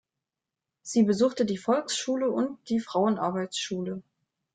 Sie besuchte die Volksschule und die Frauenarbeitsschule.